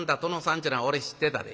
っちゅうのは俺知ってたで。